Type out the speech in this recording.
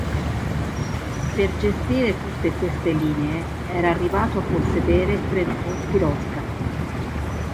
Per gestire tutte queste linee era arrivato a possedere trentun piroscafi.